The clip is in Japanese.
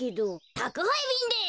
たくはいびんです。